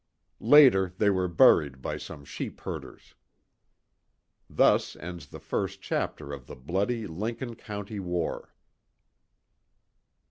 Later they were buried by some sheep herders. Thus ends the first chapter of the bloody Lincoln County war.